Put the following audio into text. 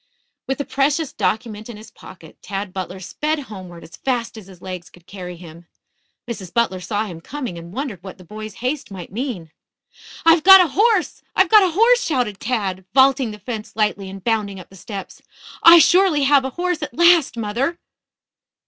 With the precious document in his pocket, Tad Butler sped homeward as fast as his legs could carry him. Mrs. Butler saw him coming and wondered what the boy's haste might mean. "I've got a horse! I've got a horse!" shouted Tad, vaulting the fence lightly and bounding up the steps. "I surely have a horse at last, mother."